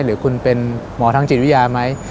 หรือคุณเป็นหมอทางจิตวิทยาไหม